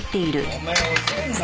おめえ遅えんだ。